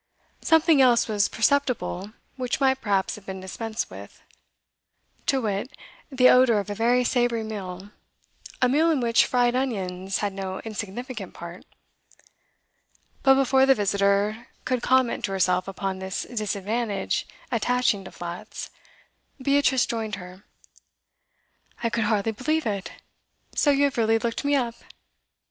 Something else was perceptible which might perhaps have been dispensed with; to wit, the odour of a very savoury meal, a meal in which fried onions had no insignificant part. But before the visitor could comment to herself upon this disadvantage attaching to flats, Beatrice joined her. 'I could hardly believe it! So you have really looked me up?